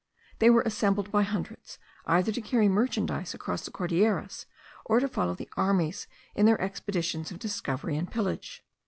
They were assembled by hundreds, either to carry merchandise across the Cordilleras, or to follow the armies in their expeditions of discovery and pillage.